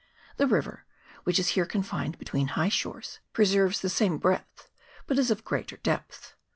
The river, which is here confined between high shores, preserves the same breadth, but is of greater depth.